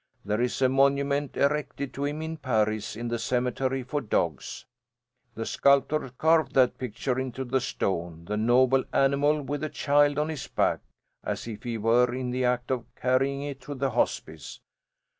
There is a monument erected to him in Paris in the cemetery for dogs. The sculptor carved that picture into the stone, the noble animal with a child on his back, as if he were in the act of carrying it to the hospice.